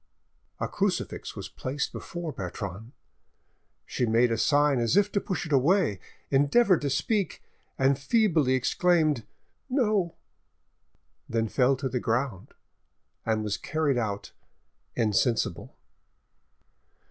A crucifix was placed before Bertrande; she made a sign as if to push it away, endeavoured to speak, and feebly exclaimed, "No," then fell to the ground, and was carried out insensible.